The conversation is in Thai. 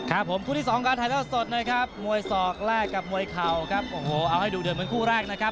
ครับผมคู่ที่สองการถ่ายทอดสดนะครับมวยศอกแรกกับมวยเข่าครับโอ้โหเอาให้ดูเดือดเหมือนคู่แรกนะครับ